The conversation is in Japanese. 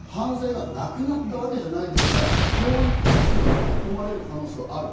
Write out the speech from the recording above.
我々も実数も知りながら、犯罪がなくなったわけじゃないですから、こういったことに巻き込まれる可能性はある。